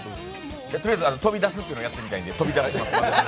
とりあえず、飛び出すというのをやってみたいんで。